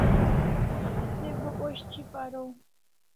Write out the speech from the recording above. Se bo osh thi paraw